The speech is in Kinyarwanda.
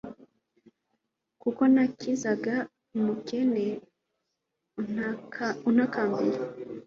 kuko nakizaga umukene untakambiye